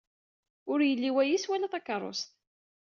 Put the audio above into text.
Ur yelli wayis wala takeṛṛust.